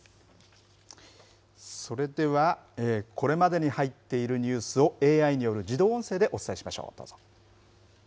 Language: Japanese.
それではこれまでに入っているニュースをＡＩによる自動音声でお伝えしましょう、どうぞ。